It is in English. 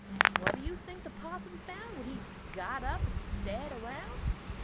What do you think the parson found, When he got up and stared around?